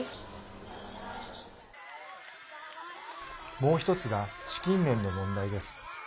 もう１つが資金面の問題です。